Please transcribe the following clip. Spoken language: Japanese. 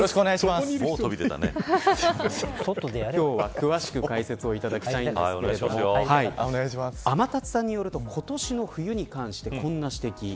今日は詳しく解説をいただきたいんですけれども天達さんによると今年の冬に関してこんな指摘。